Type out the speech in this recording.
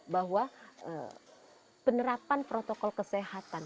bahwa penerapan protokol kesehatan